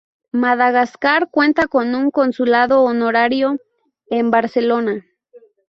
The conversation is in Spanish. Madagascar cuenta con un consulado honorario en Barcelona.